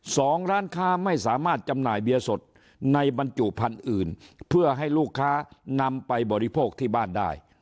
สองร้านค้าไม่สามารถจำหน่ายเบียร์สดในบรรจุพันธุ์อื่นเพื่อให้ลูกค้านำไปบริโภคที่บ้านได้